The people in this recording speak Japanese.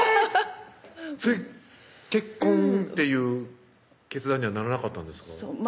それ結婚っていう決断にはならなかったんですか？